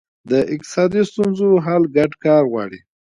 د اقتصادي ستونزو حل ګډ کار غواړي.